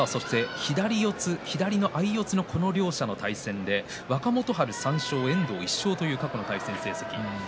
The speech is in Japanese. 左の相四つのこの両者の対戦で若元春３勝遠藤は１勝という過去の対戦成績。